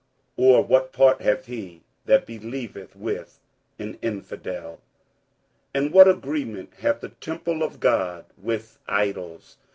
or what part hath he that believeth with an infidel? 47:006:016 And what agreement hath the temple of God with idols?